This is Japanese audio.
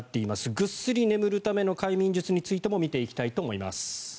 ぐっすり眠るための快眠術についても見ていきたいと思います。